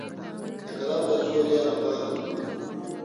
د قلم په زور یې اباده کړو.